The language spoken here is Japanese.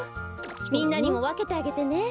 みんなにもわけてあげてね。